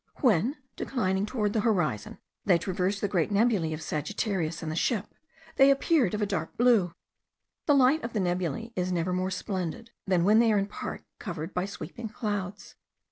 When, declining toward the horizon, they traversed the great nebulae of Sagittarius and the Ship, they appeared of a dark blue. The light of the nebulae is never more splendid than when they are in part covered by sweeping clouds.